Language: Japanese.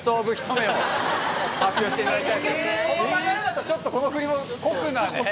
この流れだとちょっとこのフリも酷なね。